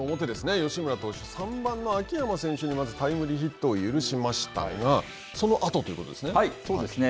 吉村投手、三番の秋山選手にまずタイムリーヒットを許しましたが、そうですね。